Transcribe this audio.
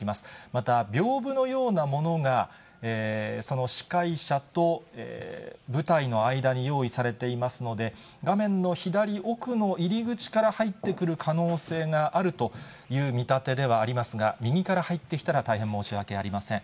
また、びょうぶのようなものが、その司会者と舞台の間に用意されていますので、画面の左奥の入り口から入ってくる可能性があるという見立てではありますが、右から入ってきたら、大変申し訳ありません。